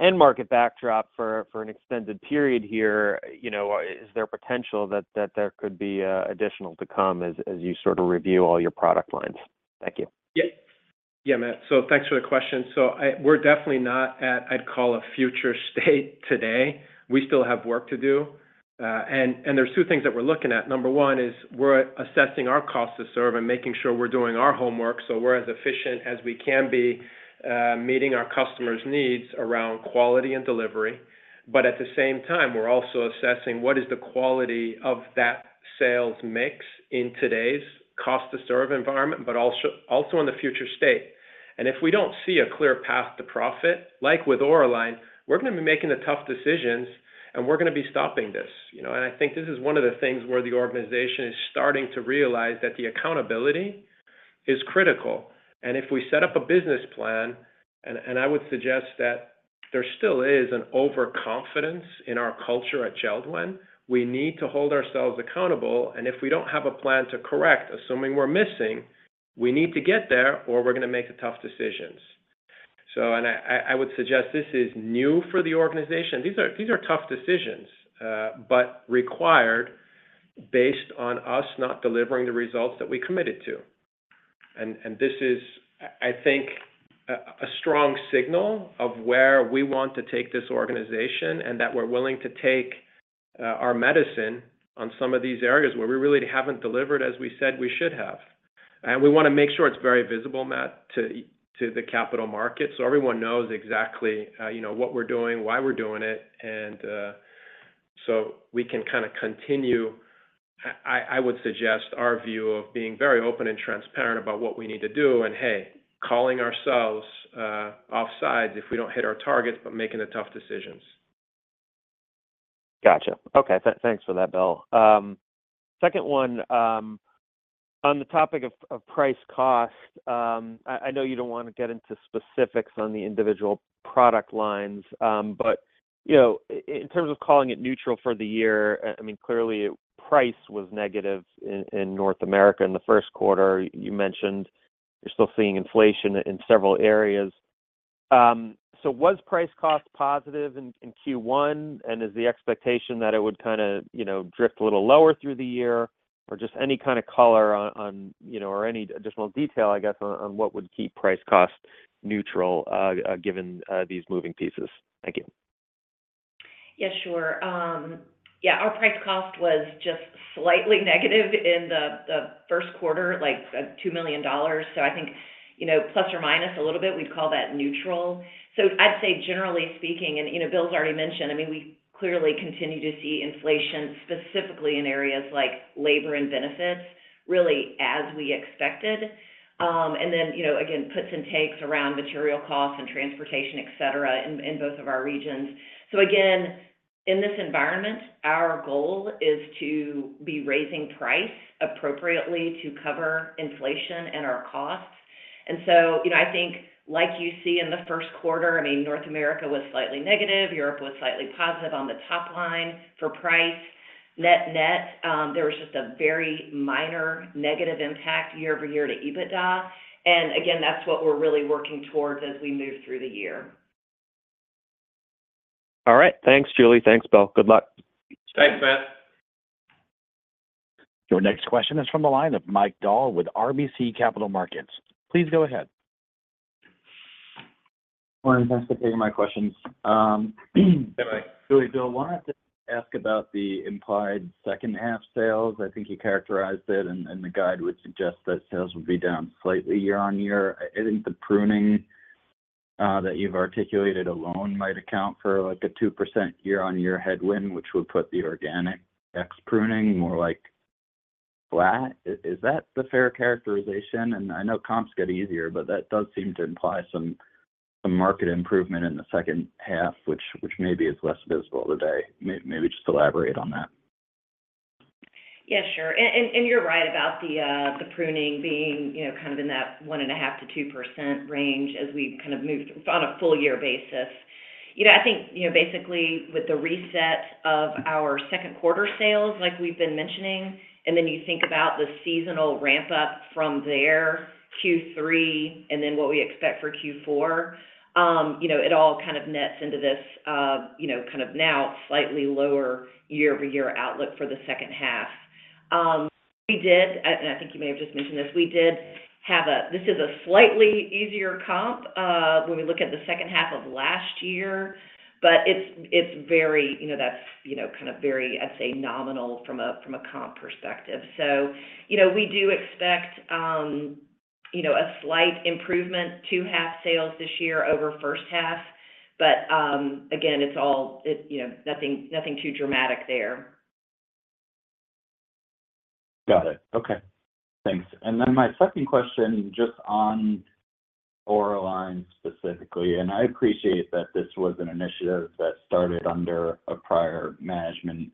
end market backdrop for an extended period here, you know, is there potential that there could be additional to come as you sort of review all your product lines? Thank you. Yeah. Yeah, Matt, so thanks for the question. So we're definitely not at, I'd call a future state today. We still have work to do. And there's two things that we're looking at. Number one is we're assessing our cost to serve and making sure we're doing our homework, so we're as efficient as we can be, meeting our customers' needs around quality and delivery. But at the same time, we're also assessing what is the quality of that sales mix in today's cost to serve environment, but also in the future state. And if we don't see a clear path to profit, like with Auraline, we're gonna be making the tough decisions, and we're gonna be stopping this, you know? And I think this is one of the things where the organization is starting to realize that the accountability is critical. And if we set up a business plan, and I would suggest that there still is an overconfidence in our culture at JELD-WEN. We need to hold ourselves accountable, and if we don't have a plan to correct, assuming we're missing, we need to get there, or we're gonna make the tough decisions. So I would suggest this is new for the organization. These are tough decisions, but required based on us not delivering the results that we committed to. And this is, I think, a strong signal of where we want to take this organization, and that we're willing to take our medicine on some of these areas where we really haven't delivered, as we said we should have. We wanna make sure it's very visible, Matt, to the capital market, so everyone knows exactly, you know, what we're doing, why we're doing it, and so we can kind of continue... I would suggest our view of being very open and transparent about what we need to do, and, hey, calling ourselves offside if we don't hit our targets, but making the tough decisions. Gotcha. Okay. Thanks for that, Bill. Second one, on the topic of price-cost, I know you don't wanna get into specifics on the individual product lines, but, you know, in terms of calling it neutral for the year, I mean, clearly, price was negative in North America in the first quarter. You mentioned you're still seeing inflation in several areas. So was price-cost positive in Q1, and is the expectation that it would kind of, you know, drift a little lower through the year? Or just any kind of color on, you know, or any additional detail, I guess, on what would keep price-cost neutral, given these moving pieces? Thank you. Yeah, sure. Yeah, our price-cost was just slightly negative in the first quarter, like $2 million. So I think, you know, plus or minus a little bit, we'd call that neutral. So I'd say, generally speaking, and you know, Bill's already mentioned, I mean, we clearly continue to see inflation, specifically in areas like labor and benefits, really, as we expected. And then, you know, again, puts and takes around material costs and transportation, et cetera, in both of our regions. So again, in this environment, our goal is to be raising price appropriately to cover inflation and our costs. And so, you know, I think like you see in the first quarter, I mean, North America was slightly negative, Europe was slightly positive on the top line for price. Net-net, there was just a very minor negative impact year-over-year to EBITDA, and again, that's what we're really working towards as we move through the year. All right. Thanks, Julie. Thanks, Bill. Good luck. Thanks, Matt. Your next question is from the line of Mike Dahl with RBC Capital Markets. Please go ahead. Morning. Thanks for taking my questions. - Hi, Mike. Julie, Bill, wanted to ask about the implied second half sales. I think you characterized it, and the guide would suggest that sales would be down slightly year-on-year. I think the pruning that you've articulated alone might account for, like, a 2% year-on-year headwind, which would put the organic ex pruning more, like, flat. Is that the fair characterization? And I know comps get easier, but that does seem to imply some market improvement in the second half, which maybe is less visible today. Maybe just elaborate on that. Yeah, sure. And you're right about the pruning being, you know, kind of in that 1.5%-2% range as we kind of move on a full year basis. You know, I think, you know, basically with the reset of our second quarter sales, like we've been mentioning, and then you think about the seasonal ramp up from there, Q3, and then what we expect for Q4, you know, it all kind of nets into this, you know, kind of now slightly lower year-over-year outlook for the second half. We did, and I think you may have just mentioned this, we did have. This is a slightly easier comp when we look at the second half of last year, but it's, it's very, you know, that's, you know, kind of very, I'd say, nominal from a, from a comp perspective. So, you know, we do expect, you know, a slight improvement to half sales this year over first half, but, again, it's. You know, nothing, nothing too dramatic there. Got it. Okay, thanks. And then my second question, just on Auraline specifically, and I appreciate that this was an initiative that started under a prior management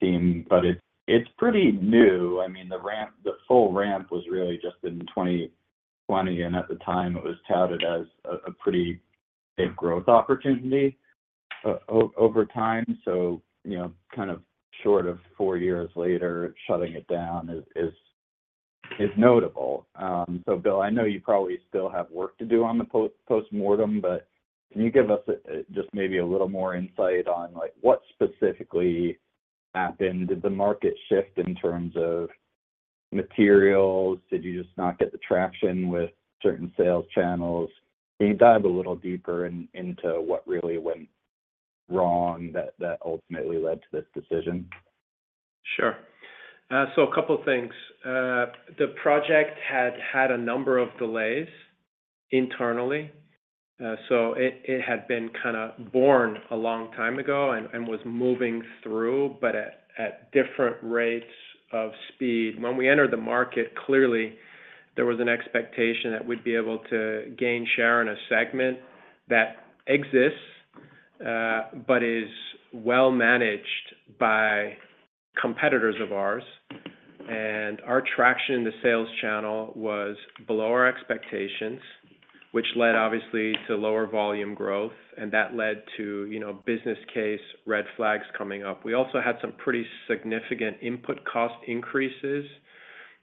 team, but it's pretty new. I mean, the ramp, the full ramp was really just in 2020, and at the time, it was touted as a pretty big growth opportunity over time. So, you know, kind of short of four years later, shutting it down is notable. So Bill, I know you probably still have work to do on the post-mortem, but can you give us just maybe a little more insight on, like, what specifically happened? Did the market shift in terms of materials? Did you just not get the traction with certain sales channels? Can you dive a little deeper into what really went wrong that ultimately led to this decision? Sure. So a couple things. The project had had a number of delays internally, so it, it had been kinda born a long time ago and, and was moving through, but at, at different rates of speed. When we entered the market, clearly there was an expectation that we'd be able to gain share in a segment that exists, but is well managed by competitors of ours. And our traction in the sales channel was below our expectations, which led obviously to lower volume growth, and that led to, you know, business case red flags coming up. We also had some pretty significant input cost increases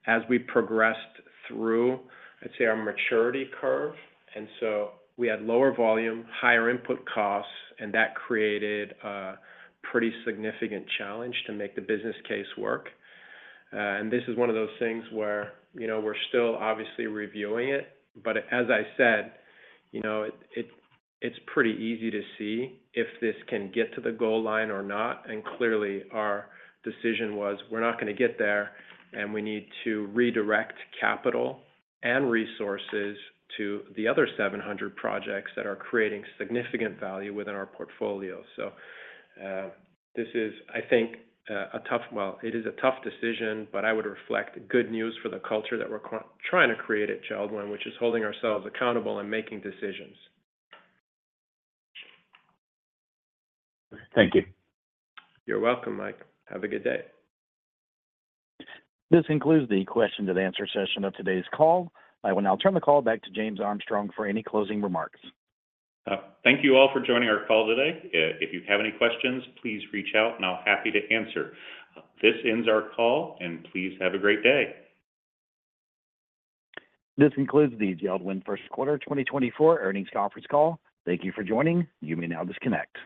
as we progressed through, I'd say, our maturity curve. And so we had lower volume, higher input costs, and that created a pretty significant challenge to make the business case work. And this is one of those things where, you know, we're still obviously reviewing it, but as I said, you know, it it's pretty easy to see if this can get to the goal line or not, and clearly, our decision was we're not gonna get there, and we need to redirect capital and resources to the other 700 projects that are creating significant value within our portfolio. So, this is, I think, a tough... Well, it is a tough decision, but I would reflect good news for the culture that we're trying to create at JELD-WEN, which is holding ourselves accountable and making decisions. Thank you. You're welcome, Mike. Have a good day. This concludes the question and answer session of today's call. I will now turn the call back to James Armstrong for any closing remarks. Thank you all for joining our call today. If you have any questions, please reach out, and I'll be happy to answer. This ends our call, and please have a great day. This concludes the JELD-WEN first quarter 2024 earnings conference call. Thank you for joining. You may now disconnect.